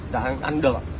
dạ ăn được